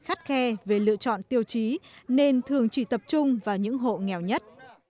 khắt khe về lựa chọn tiêu chí nên thường chỉ tập trung vào những hộ nghèo nhất